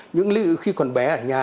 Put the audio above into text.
những lúc khi còn bé ở nhà